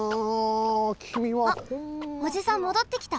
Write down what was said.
あっおじさんもどってきた。